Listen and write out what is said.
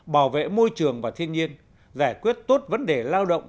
bảo vệ môi trường và thiên nhiên giải quyết tốt vấn đề lao động